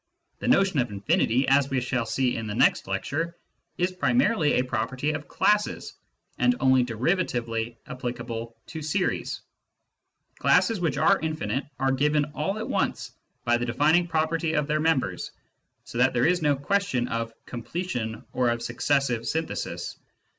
The notion of infinity, as we shall see in the next lecture, is primarily a property of classes^ and only derivatively applicable to series ; classes which are infinite are given all at once by the defining property of their members, so that there is no question of " completion " or of " successive synthesis."